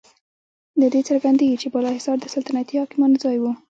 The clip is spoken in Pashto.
له دې څرګندیږي چې بالاحصار د سلطنتي حاکمانو ځای و.